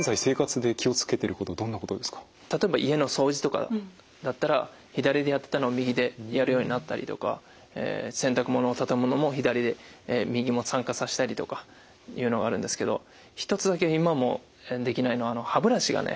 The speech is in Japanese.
例えば家の掃除とかだったら左でやってたのを右でやるようになったりとか洗濯物を畳むのも右も参加させたりとかいうのがあるんですけど一つだけ今もできないのは歯ブラシがね